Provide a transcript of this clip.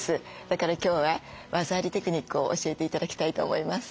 だから今日は技ありテクニックを教えて頂きたいと思います。